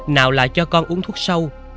nào là cho con uống thuốc sâu